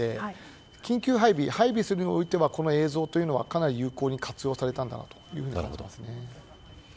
緊急配備においては、この映像はかなり有効に活用されただろうと思います。